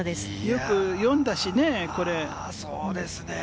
よく読んだしね、これ。